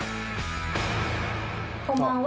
こんばんは。